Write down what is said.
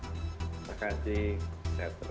terima kasih sehat selalu